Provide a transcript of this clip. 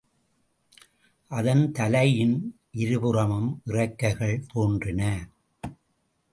அதன் தலையின் இருபுறமும் இறக்கைகள் தோன்றின.